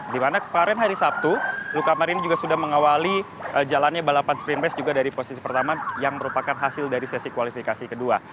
di mana kemarin hari sabtu luca marini juga sudah mengawali jalannya balapan sprint race juga dari posisi pertama yang merupakan hasil dari sesi kualifikasi kedua